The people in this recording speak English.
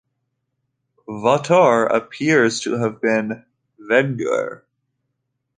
"Vauteur" appears to have been "Vengeur".